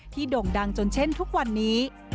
โด่งดังจนเช่นทุกวันนี้